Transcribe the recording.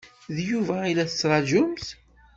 D Yuba i la tettṛaǧumt?